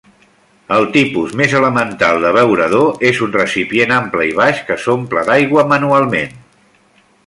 El tipus més elemental d'abeurador és un recipient ample i baix que s'omple d'aigua manualment.